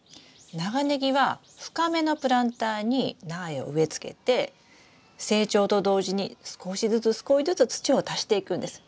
長ネギは深めのプランターに苗を植えつけて成長と同時に少しずつ少しずつ土を足していくんです。